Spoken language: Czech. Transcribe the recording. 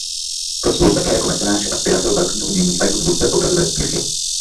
Proslul také jako mecenáš a sběratel barokního umění a jako tvůrce obrazové sbírky.